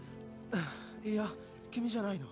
いや君じゃないの？